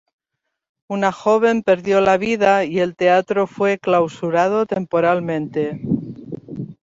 Una joven perdió la vida y el teatro fue clausurado temporalmente.